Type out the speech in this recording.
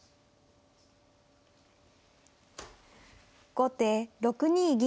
後手６二銀。